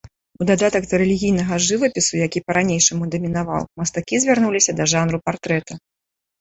У дадатак да рэлігійнай жывапісу, які па-ранейшаму дамінаваў, мастакі звярнуліся да жанру партрэта.